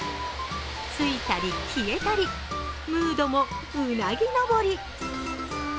ついたり消えたり、ムードもうなぎ登り。